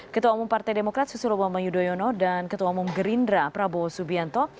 ketua umum partai demokrat susilo bama yudhoyono dan ketua umum gerindra prabowo subianto